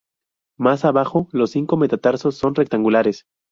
Más abajo, los cinco metatarsos son rectangulares.